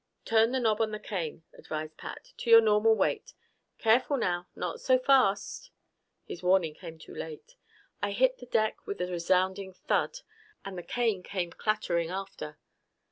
"Turn the knob on the cane," advised Pat, "to your normal weight. Careful, now! Not so fast!" His warning came too late. I hit the deck with a resounding thud, and the cane came clattering after.